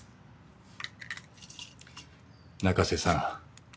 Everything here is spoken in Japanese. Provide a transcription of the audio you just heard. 中瀬さん